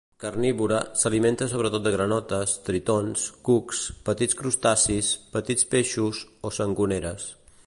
Carnívora, s'alimenta sobretot de granotes, tritons, cucs, petits crustacis, petits peixos o sangoneres.